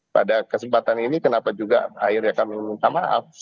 pada kesempatan ini kenapa juga akhirnya kami minta maaf